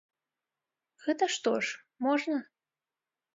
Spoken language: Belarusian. Гэта што ж, можна.